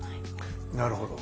なるほど。